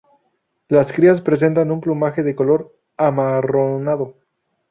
Las crías presentan un plumaje de color amarronado.